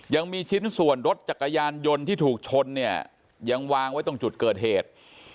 ยังมีชิ้นส่วนรถจักรยานยนต์ที่ถูกชนเนี่ยยังวางไว้ตรงจุดเกิดเหตุ